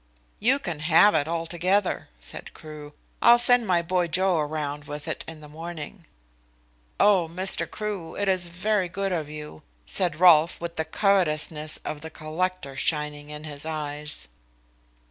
"You can have it altogether," said Crewe. "I'll send my boy Joe round with it in the morning." "Oh, Mr. Crewe, it's very good of you," said Rolfe, with the covetousness of the collector shining in his eyes.